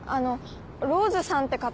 ローズさんって方